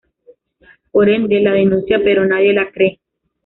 Por ende, la denuncia, pero nadie le cree.